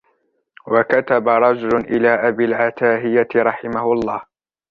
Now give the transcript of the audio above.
وَكَتَبَ رَجُلٌ إلَى أَبِي الْعَتَاهِيَةِ رَحِمَهُ اللَّهُ